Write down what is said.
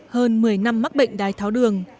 hơn một mươi năm mắc bệnh đái tháo đường